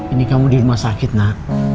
ini kamu di rumah sakit nak